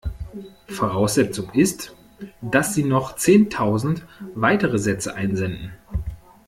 Voraussetzung ist, dass Sie noch zehntausend weitere Sätze einsenden.